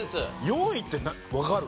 ４位ってわかる？